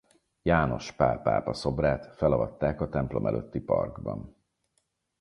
János Pál pápa szobrát felavatták a templom előtti parkban.